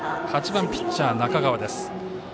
８番ピッチャー、中川です。